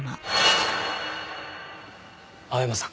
青山さん